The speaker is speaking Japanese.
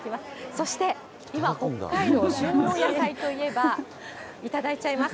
そして、今、北海道、旬の野菜といえば、いただいちゃいます。